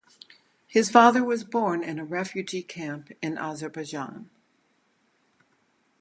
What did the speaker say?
His father was born in a refugee camp in Azerbaijan.